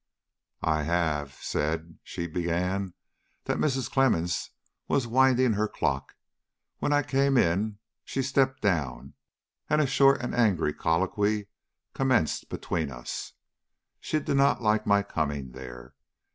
"I have said," she began, "that Mrs. Clemmens was winding her clock. When I came in she stepped down, and a short and angry colloquy commenced between us. She did not like my coming there.